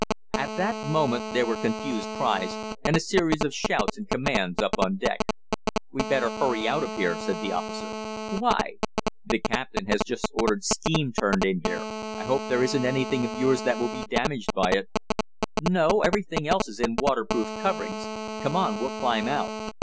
At that moment there were confused cries, and a series of shouts and commands up on deck. "We'd better hurry out of here," said the officer. "Why?" "The captain has just ordered steam turned in here. I hope there isn't anything of yours that will be damaged by it." "No, everything else is in waterproof coverings. Come on, we'll climb out."